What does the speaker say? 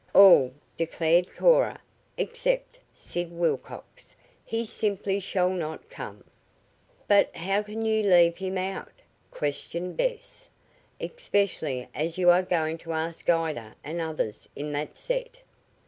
"All," declared Cora, "except Sid Wilcox. He simply shall not come." "But how can you leave him out?" questioned Bess. "Especially as you are going to ask Ida and others in that set."